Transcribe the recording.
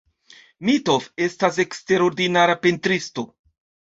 Mitov estas eksterordinara pentristo.